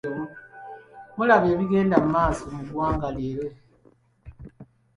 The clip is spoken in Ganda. Mulaba ebigenda mu maaso mu ggwanga leero?